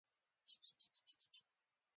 معاشونه یې د عادي افغانانو څو برابره لوړ وو.